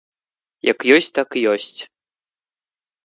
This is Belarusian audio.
Як ёсць так ёсць.